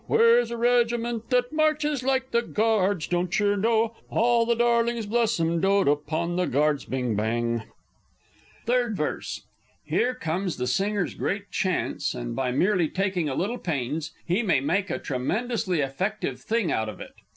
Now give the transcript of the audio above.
Where's a regiment that marches Like the Guards? Doncher know? All the darlings bless 'em! dote upon the Guards, Bing Bang! Third Verse. [_Here comes the Singer's great chance, and by merely taking a little pains, he may make a tremendously effective thing out of it.